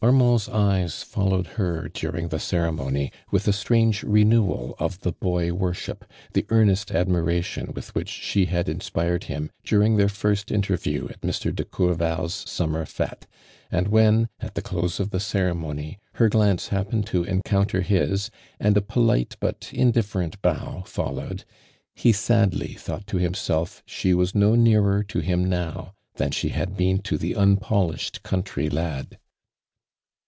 Amaand's eyes followed her during iho ceremony with a strange renewal of the boy worship, the earnest admiration with which she had inspired him during their first in terview at Mr. deCourval's summer fete, and when at the close of the ceremony, her glance liappened to encounter his and a polite but inditlerent bow followed, he sadly thought to himself she was no nearer to him now than she had been to the impolish ed country lad.